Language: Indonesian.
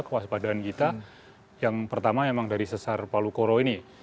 kewaspadaan kita yang pertama memang dari sesar palukoro ini